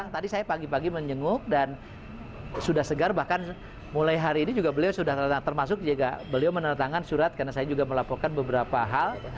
tadi saya pagi pagi menjenguk dan sudah segar bahkan mulai hari ini juga beliau sudah termasuk juga beliau meneretangan surat karena saya juga melaporkan beberapa hal